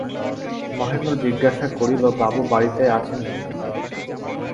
মহেন্দ্র জিজ্ঞাসা করিল, বাবু বাড়িতে আছেন না কি।